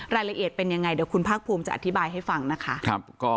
รายละเอียดเป็นยังไงเดี๋ยวคุณภาคภูมิจะอธิบายให้ฟังนะคะ